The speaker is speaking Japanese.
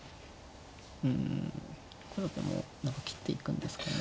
うんこれだともう何か切っていくんですかね。